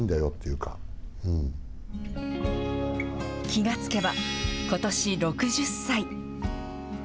気が付けば、ことし６０歳。